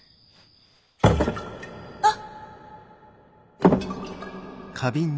あっ。